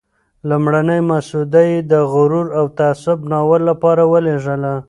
لومړنی مسوده یې د "غرور او تعصب" ناول لپاره ولېږله.